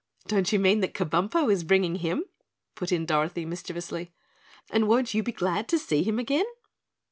"Don't you mean that Kabumpo is bringing him?" put in Dorothy mischievously, "and won't you be glad to see him again?"